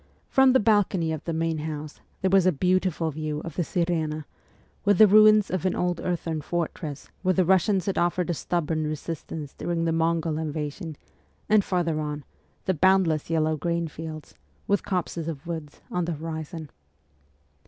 From the balcony of the main house there was a beautiful view of the Sir6na, with the ruins of an old earthern fortress where the Kussians had offered a stubborn resistance during the Mongol invasion, and farther on, the boundless yellow grain fields, with copses of woods on the horizon.